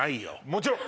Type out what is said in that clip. もちろん「